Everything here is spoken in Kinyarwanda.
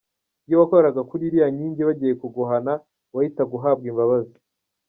Iyo wakoraga kuri iyo nkingi bagiye kuguhana, wahitaga uhabwa imbabazi.